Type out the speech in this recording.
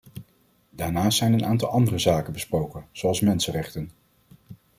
Daarnaast zijn een aantal andere zaken besproken, zoals mensenrechten.